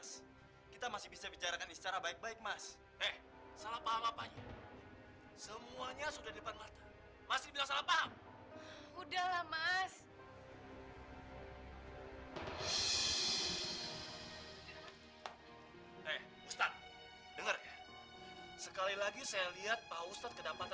sampai jumpa di video selanjutnya